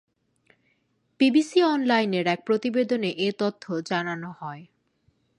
BBC অনলাইনের এক প্রতিবেদনে এ তথ্য জানানো হয়।